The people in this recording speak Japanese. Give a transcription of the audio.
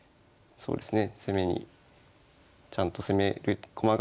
そうですね。